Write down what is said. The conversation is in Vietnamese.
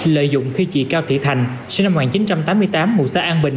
lợi dụng khi trị cao thị thành sinh năm một nghìn chín trăm tám mươi tám mùa xa an bình